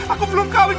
aku belum kalah